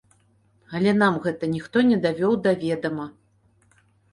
Але нам гэта ніхто не давёў да ведама.